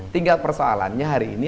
tinggal persoalannya hari ini